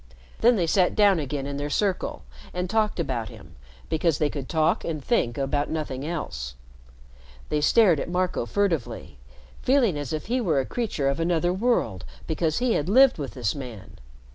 Then they sat down again in their circle and talked about him, because they could talk and think about nothing else. They stared at Marco furtively, feeling as if he were a creature of another world because he had lived with this man.